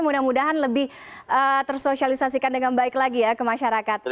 mudah mudahan lebih tersosialisasikan dengan baik lagi ya ke masyarakat